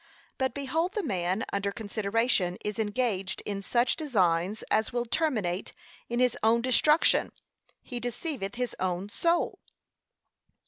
But behold the man under consideration is engaged in such designs as will terminate in his own destruction: he deceiveth his own soul.